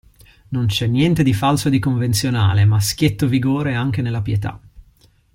Non c'è niente di falso e di convenzionale, ma schietto vigore anche nella pietà.